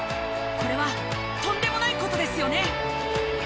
これはとんでもない事ですよね。